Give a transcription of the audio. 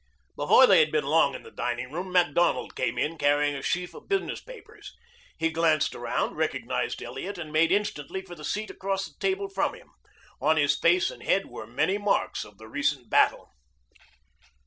Before they had been long in the dining room Macdonald came in carrying a sheaf of business papers. He glanced around, recognized Elliot, and made instantly for the seat across the table from him. On his face and head were many marks of the recent battle.